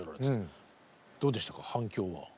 どうでしたか反響は？